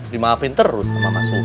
dimaafin terus sama mas suku